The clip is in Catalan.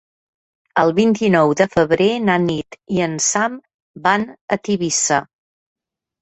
El vint-i-nou de febrer na Nit i en Sam van a Tivissa.